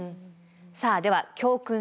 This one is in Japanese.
さあでは教訓